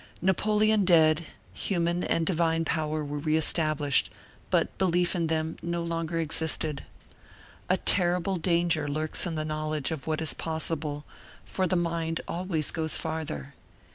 Napoleon dead, human and divine power were re established, but belief in them no longer existed. A terrible danger lurks in the knowledge of what is possible, for the mind always goes farther.